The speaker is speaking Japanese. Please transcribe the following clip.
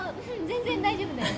全然大丈夫だよ。